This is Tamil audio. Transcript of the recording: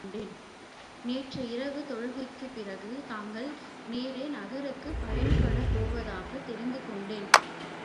நேற்று இரவு தொழுகைக்குப் பிறகு தாங்கள் ரே நகருக்குப் பயணப்படப் போவதாகத் தெரிந்து கொண்டேன்.